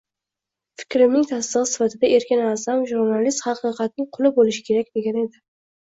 Fikrimning tasdiģi sifatida Erkin A’zam » Jurnalist haqiqatning quli bòlishi kerak» degan edi